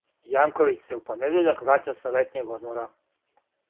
Јанковић се у понедељак враћа са летњег одмора.